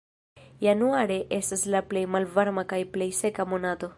Januare estas la plej malvarma kaj plej seka monato.